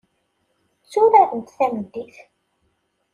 Tturarent tameddit.